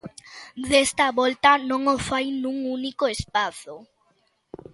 Desta volta non o fai nun único espazo.